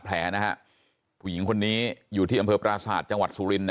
แผลนะฮะผู้หญิงคนนี้อยู่ที่อำเภอปราศาสตร์จังหวัดสุรินท